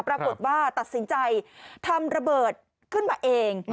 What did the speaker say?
ปรากฏว่าตัดสินใจทำระเบิดขึ้นมาเอง